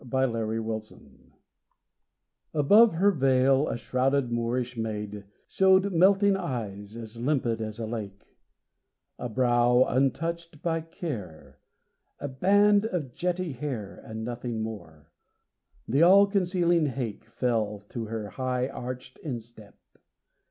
A MOORISH MAID Above her veil a shrouded Moorish maid Showed melting eyes, as limpid as a lake; A brow untouched by care; a band of jetty hair, And nothing more. The all concealing haik Fell to her high arched instep.